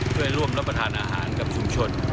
เพื่อร่วมรับประทานอาหารกับชุมชน